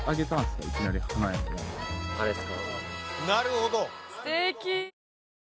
あれですか？